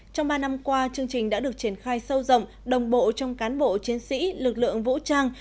trong ba năm qua chương trình đã được triển khai sâu rộng đồng bộ trong cán bộ chiến sĩ lực lượng vũ trang